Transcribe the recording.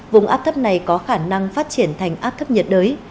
vùng áp thấp này có khả năng phát triển thành áp thấp nhiệt đới